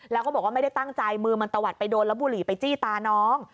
แล้วก็บอกว่าไม่ได้ตั้งใจมือมันตะวัดไปโดนแล้วบุหรี่ไปจี้ตาน้อง